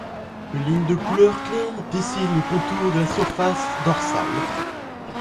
Une ligne de couleur claire dessine le contour de la surface dorsale.